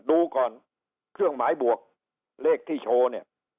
ดูก่อนเครื่องหมายบวกเลขที่โชว์เนี่ย